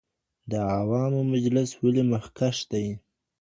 د عوامو مجلس ولي مخکښ دی؟